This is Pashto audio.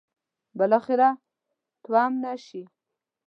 بالاخره تومنه شي.